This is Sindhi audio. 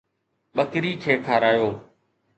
ٻڪري کي کارايو